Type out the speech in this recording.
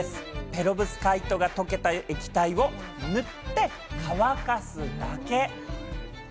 ペロブスカイトが解けた液体を塗って、乾かすだけ。